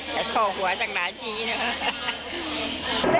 ฉันก็ขอหัวต่างหลายทีนะครับ